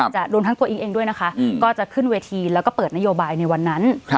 รวมทั้งตัวอิ๊งเองด้วยนะคะก็จะขึ้นเวทีแล้วก็เปิดนโยบายในวันนั้น